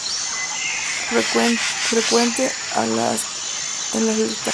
Frecuente en lactantes.